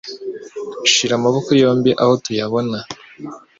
Shira amaboko yombi aho tuyabona.